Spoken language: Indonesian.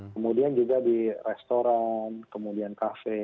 kemudian juga di restoran kemudian kafe